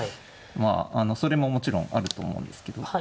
まあそれももちろんあると思うんですけど。